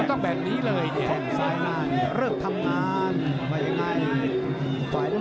ที่แฟนมวยเวลานี้ทั่วประเทศ